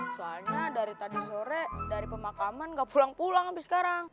soalnya dari tadi sore dari pemakaman nggak pulang pulang sampai sekarang